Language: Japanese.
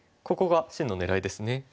ここが真の狙いですね。